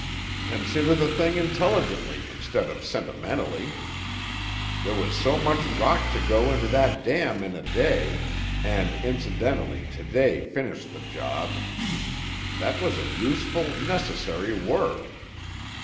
Consider the thing intelligently instead of sentimentally. There was so much rock to go into that dam in a day—and incidentally to day finished the job. That was a useful, necessary work.